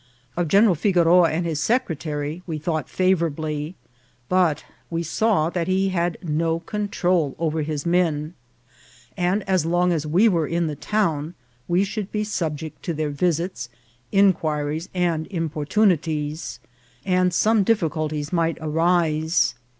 Of General Figoroa and his secretary we thought favourably ; but we saw that he had no control over his men, and as long as we were in the town we should be subject to their visits, inquiries, and importunities, and some difficulties might arise.